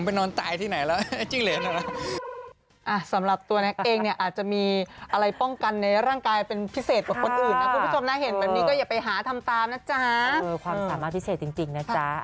ไปนอนตายที่ไหนแล้วจิ้งเหรียญแล้ว